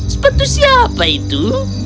sepatu siapa itu